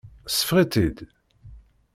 Seffeɣ-itt-id.